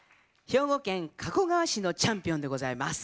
兵庫県加古川市のチャンピオンでございます。